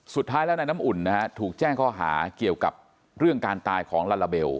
สุดท้ายแล้วนายน้ำอุ่นนะฮะถูกแจ้งข้อหาเกี่ยวกับเรื่องการตายของลาลาเบล